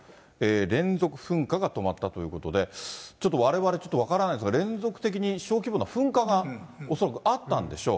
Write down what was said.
連続噴火が止まったということで、ちょっとわれわれ、ちょっと分からないんですが、連続的に小規模な噴火が恐らくあったんでしょう。